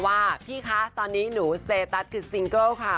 สวัสดีค่ะตอนนี้หนูเซตัสคือซิงเกิ้ลค่ะ